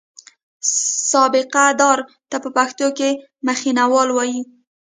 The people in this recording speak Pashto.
سابقه دار ته په پښتو کې مخینه والا وایي.